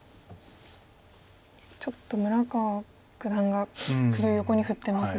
ちょっと村川九段が首を横に振ってますね。